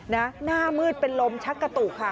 หน้ามืดเป็นลมชักกระตุกค่ะ